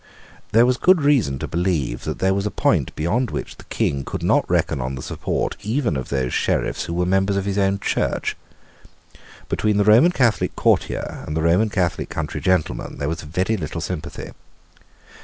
There was good reason to believe that there was a point beyond which the King could not reckon on the support even of those Sheriffs who were members of his own Church. Between the Roman Catholic courtier and the Roman Catholic country gentleman there was very little sympathy.